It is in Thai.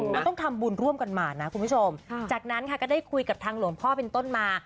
มันต้องทำบุญร่วมกันมานะคุณผู้ชมจากนั้นค่ะก็ได้คุยกับทางหลวงพ่อเป็นต้นมา